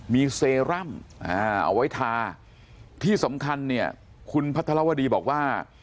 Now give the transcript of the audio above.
มีเซรั่มเอาไว้ทาที่สำคัญเนี่ยคุณพัทรวดีบอกว่า